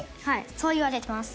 そういわれてます。